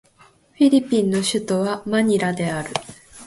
フィリピンの首都はマニラである